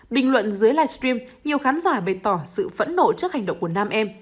bình luận dưới livestream nhiều khán giả bày tỏ sự phẫn nộ trước hành động của nam em